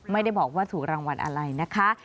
ไม่ได้บอกว่าถูกรางวัลอะไรนะคะ